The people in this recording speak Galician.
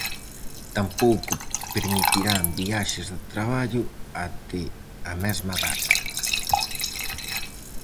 Tampouco permitirán viaxes de traballo até a mesma data.